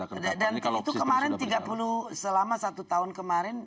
dan itu kemarin tiga puluh selama satu tahun kemarin